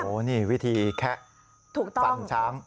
โอ้โหนี่วิธีแคะฟันช้าง